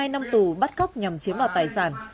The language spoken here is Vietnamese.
một mươi hai năm tù bắt cóc nhằm chiếm đoạt tài sản